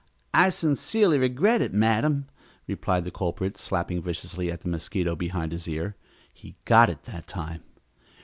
"I sincerely regret it, madam," replied the culprit, slapping viciously at the mosquito behind his ear. He got it that time.